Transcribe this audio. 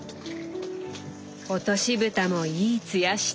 落としぶたもいいつやしてる。